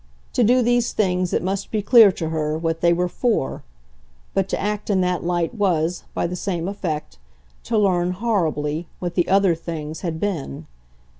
To do these things it must be clear to her what they were FOR; but to act in that light was, by the same effect, to learn, horribly, what the other things had been.